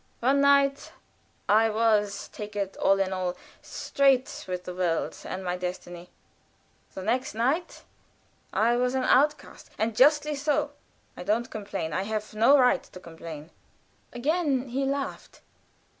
One night I was, take it all in all, straight with the world and my destiny; the next night I was an outcast, and justly so. I don't complain. I have no right to complain." Again he laughed.